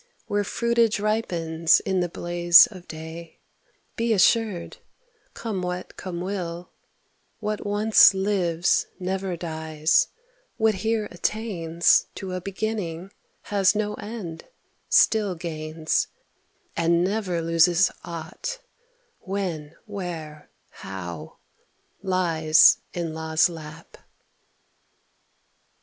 Where fruitage ripens in the blaze of day, Be assured, come what come will, What once lives never dies — what here attains To a beginning has no end, still gains And never loses aught; when, where, how — Lies in law's lap."